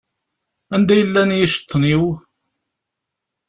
Anda i llan yiceṭṭen-iw?